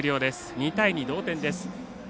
２対２、同点です。